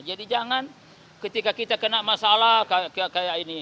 jadi jangan ketika kita kena masalah kayak ini